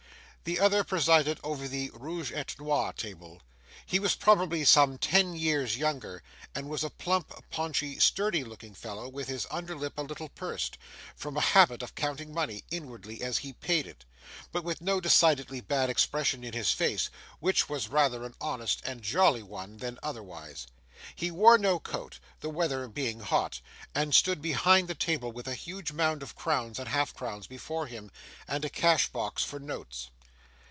The other presided over the ROUGE ET NOIR table. He was probably some ten years younger, and was a plump, paunchy, sturdy looking fellow, with his under lip a little pursed, from a habit of counting money inwardly as he paid it, but with no decidedly bad expression in his face, which was rather an honest and jolly one than otherwise. He wore no coat, the weather being hot, and stood behind the table with a huge mound of crowns and half crowns before him, and a cash box for notes.